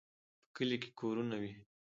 په کلي کې کورونه وي.